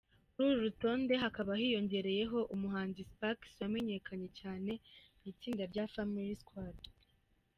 Kuri uru rutonde hakaba hiyongereyeho umuhanzi Spax wamenyekanye cyane mu itsinda rya Familly Squad.